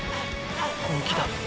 本気だ！！